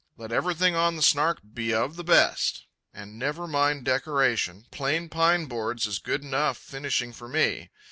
"Let everything on the Snark be of the best. And never mind decoration. Plain pine boards is good enough finishing for me.